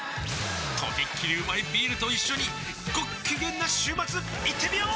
とびっきりうまいビールと一緒にごっきげんな週末いってみよー！